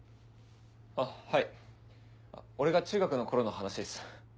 あっはい俺が中学の頃の話っす。